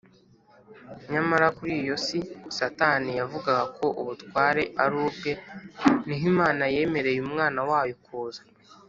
Nyamara muri iyo si Satani yavugaga ko ubutware ari ubwe niho Imana yemereye Umwana wayo kuza